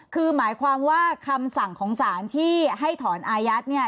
คือหมายความว่าคำสั่งของสารที่ให้ถอนอายัดเนี่ย